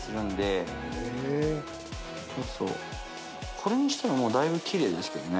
これにしてももうだいぶきれいですけどね。